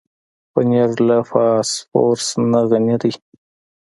پنېر له فاسفورس نه غني دی.